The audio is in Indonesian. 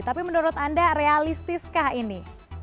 tapi menurut anda realistiskah ini